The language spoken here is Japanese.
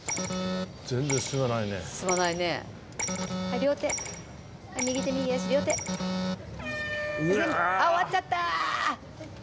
ああ終わっちゃった！